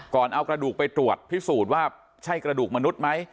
เอากระดูกไปตรวจพิสูจน์ว่าใช่กระดูกมนุษย์ไหม